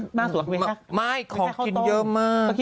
หน้าสุดก็เป็นแค่ข้าวต้องไม่ของกินเยอะมากบ๊วยค่ะ